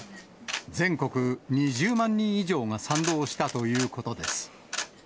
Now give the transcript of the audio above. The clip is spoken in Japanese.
全国２０万人以上が賛同したということです。